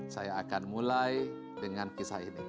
saya akan mulai dengan kisah ini